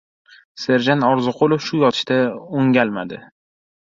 Serjant Orziqulov shu yotishda o‘ngalmadi.